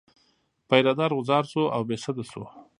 پیره دار غوځار شو او بې سده شو.